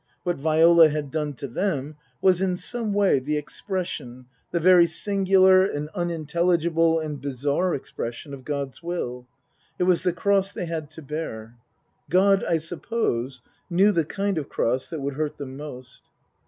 What Viola had done to them was in some way the expression the very singular and unintelligible and bizarre expression of God's will. It was the cross they had to bear. God, I suppose, knew the kind of cross that would hurt them most.